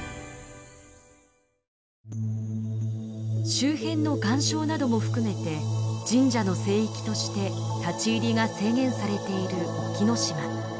周辺の岩礁なども含めて神社の聖域として立ち入りが制限されている沖ノ島。